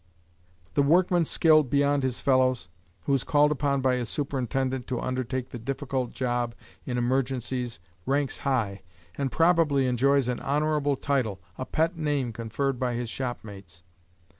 The workman skilled beyond his fellows, who is called upon by his superintendent to undertake the difficult job in emergencies, ranks high, and probably enjoys an honorable title, a pet name conferred by his shopmates.